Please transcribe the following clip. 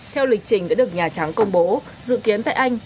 theo lịch trình đã được nhà trắng công bố dự kiến tại anh